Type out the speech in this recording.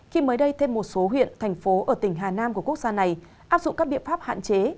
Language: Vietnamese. vì số huyện thành phố ở tỉnh hà nam của quốc gia này áp dụng các biện pháp hạn chế